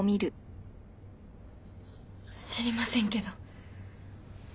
知りませんけど。